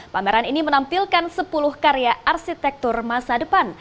pameran ini menampilkan sepuluh karya arsitektur masa depan